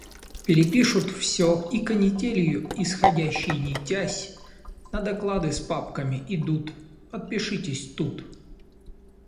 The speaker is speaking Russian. Перепишут всё и, канителью исходящей нитясь, на доклады с папками идут: – Подпишитесь тут!